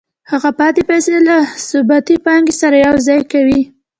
هغه پاتې پیسې له ثابتې پانګې سره یوځای کوي